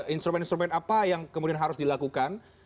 instrumen instrumen apa yang kemudian harus dilakukan